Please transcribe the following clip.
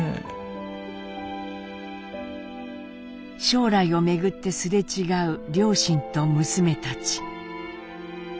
将来をめぐってすれ違う両親と娘たち。